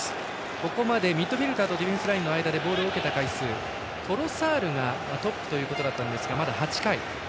ここまでミッドフィルダーとディフェンスラインの間でボールを受けた回数トロサールがトップということだったんですがまだ８回。